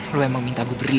lo emang minta gue beri ya